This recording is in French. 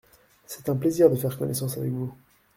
C’est un plaisir de faire connaissance avec vous.